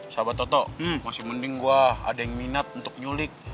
sahabat toto masih mending wah ada yang minat untuk nyulik